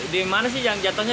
di rumah sakit atau gimana